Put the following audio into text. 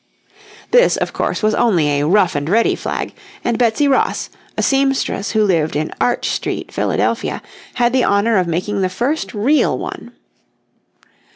This, of course, was only a rough and ready flag, and Betsy Ross, a seamstress, who lived in Arch Street, Philadelphia, had the honour of making the first real one.